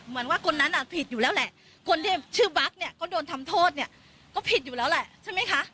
เหมือนว่าคนนั้นอ่ะผิดอยู่แล้วแหละคนที่ชื่อบั๊กเนี่ยก็โดนทำโทษเนี่ยก็ผิดอยู่แล้วแหละใช่ไหมคะ